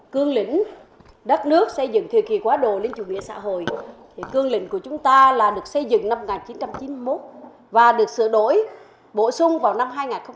cương lĩnh đất nước xây dựng thời kỳ quá đồ lên chủ nghĩa xã hội cương lĩnh của chúng ta là được xây dựng năm một nghìn chín trăm chín mươi một và được sửa đổi bổ sung vào năm hai nghìn một mươi một